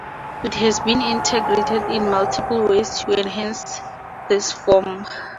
It has been integrated in multiple ways to enhance this form.